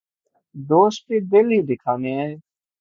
دوست بھی دل ہی دکھانے آئے